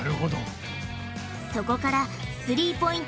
そこからスリーポイント